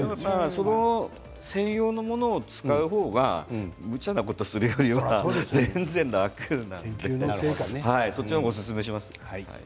専用のものを使う方がむちゃなことをするよりは全然、楽なのでそっちの方をおすすめします。